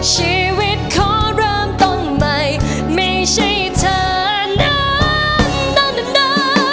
ชีวิตขอเริ่มต้องใหม่ไม่ใช่ทางนั้นนั้นนั้นนั้น